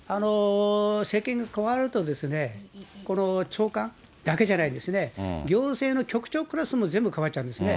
政権がかわると、この長官だけじゃないですね、行政の局長クラスも全部かわっちゃうんですね。